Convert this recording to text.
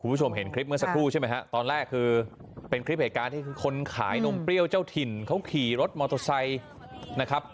คุณผู้ชมเห็นคลิปเมื่อสักครู่ใช่ไหมฮะตอนแรกคือเป็นคลิปเหตุการณ์ที่คือคนขายนมเปรี้ยวเจ้าถิ่นเขาขี่รถมอเตอร์ไซค์นะครับ